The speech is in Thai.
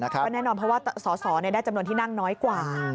ก็แน่นอนเพราะสรจะมีจำนวนที่นั่งน้อยกว่า